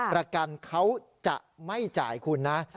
ประกันเขาจะไม่จ่ายคุณนะ